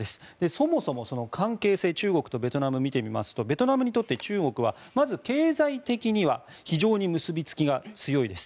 そもそも、その関係性中国とベトナム見てみますとベトナムにとって中国はまず経済的には非常に結びつきが強いです。